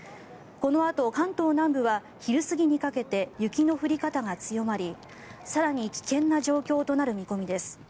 このあと関東南部は昼過ぎにかけて雪の降り方が強まり更に危険な状況となる見込みです。